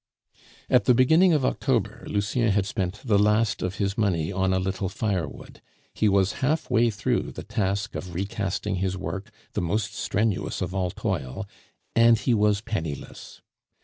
At the beginning of October, Lucien had spent the last of his money on a little firewood; he was half way through the task of recasting his work, the most strenuous of all toil, and he was penniless.